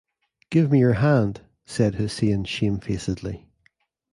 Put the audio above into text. "Give me your hand," said Hussain shamefacedly.